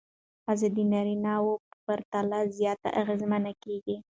ښځې د نارینه وو پرتله زیات اغېزمنې کېږي.